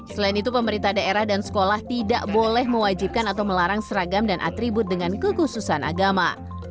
selain itu pemerintah daerah dan sekolah tidak boleh mewajibkan atau melarang seragam dan atribut dengan kekhususan agama